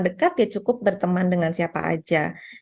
teman dekat ya cukup berteman dengan siapa saja